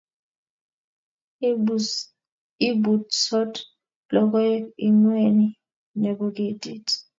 Ibutsot logoek ingweny nebo ketit